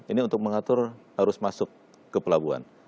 ini untuk mengatur arus masuk ke pelabuhan